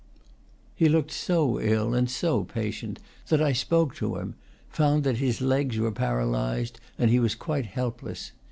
He looked so ill and so patient that I spoke to him; found that his legs were paralyzed and he was quite helpless.